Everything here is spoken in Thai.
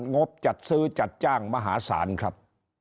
งบจัดซื้อจัดจ้างมหาศาลครับ